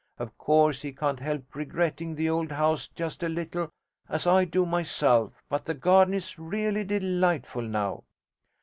Of course he can't help regretting the old house just a little as I do myself but the garden is really delightful now.'